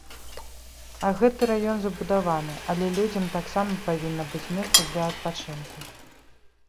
А гэты раён забудаваны, але людзям таксама павінна быць месца для адпачынку.